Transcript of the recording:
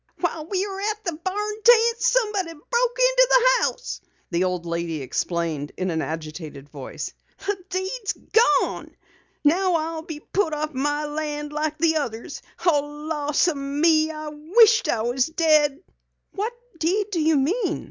"While we were at the barn dance someone broke into the house," the old lady explained in an agitated voice. "The deed's gone! Now I'll be put off my land like the others. Oh, lawseeme, I wisht I was dead!" "What deed do you mean?"